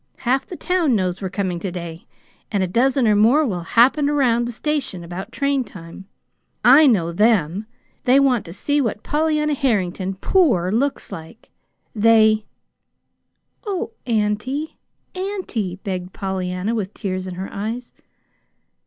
Half the town knows we're coming to day, and a dozen or more will 'happen around' the station about train time. I know them! They want to see what Polly Harrington POOR looks like. They " "Oh, auntie, auntie," begged Pollyanna, with tears in her eyes.